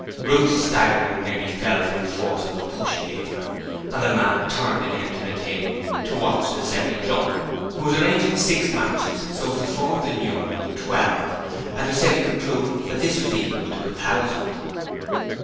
Ruth staggered and nearly fell from the force of the push he gave her, and the man turned again to the table to watch the Semi drunk, who was arranging six matches so as to form the numeral XII, and who said he could prove that this was equal to a thousand.